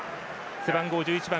背番号１１番